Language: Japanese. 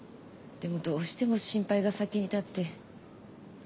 でもどうしても心配が先に立って。